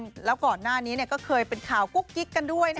พี่เฮ้บก่อนหน้านี้ก็เคยเกิดข่าวกู๊กกิ๊กกัน